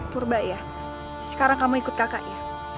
purba ya sekarang kamu ikut kakak ya